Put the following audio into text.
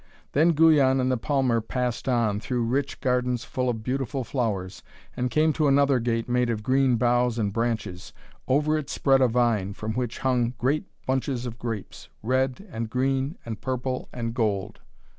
Then Guyon and the palmer passed on, through rich gardens full of beautiful flowers, and came to another gate made of green boughs and branches. Over it spread a vine, from which hung great bunches of grapes, red, and green, and purple and gold.